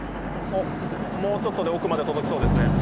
おっもうちょっとで奥まで届きそうですね。